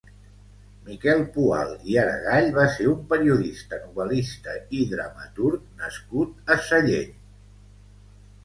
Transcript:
Miquel Poal i Aregall va ser un periodista, novel·lista i dramaturg nascut a Sallent.